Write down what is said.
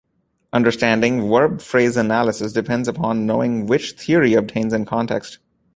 Understanding verb phrase analysis depends upon knowing which theory obtains in context.